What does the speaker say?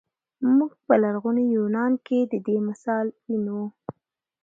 موږ په لرغوني یونان کې د دې مثال وینو.